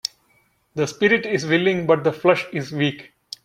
The spirit is willing but the flesh is weak.